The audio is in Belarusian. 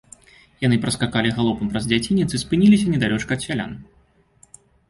Яны праскакалі галопам цераз дзядзінец і спыніліся недалёчка ад сялян.